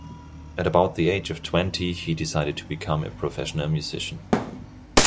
At about the age of twenty, he decided to become a professional musician.